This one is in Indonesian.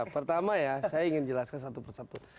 pertama ya saya ingin jelaskan satu persatu